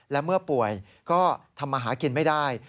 และเมื่อป่วยก็ทำมาหากินไม่ได้